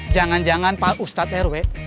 jangan jangan pak ustadz rw